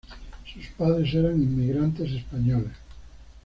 Sus padres eran inmigrantes españoles.